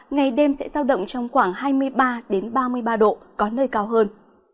ngày đêm sẽ giao động trong khoảng hai mươi ba ba mươi ba độ có nơi cao hơn